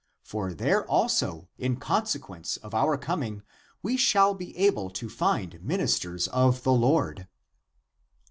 For there also in consequence of our coming we shall be able to find ministers of the Lord."